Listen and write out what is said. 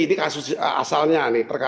ini kasus asalnya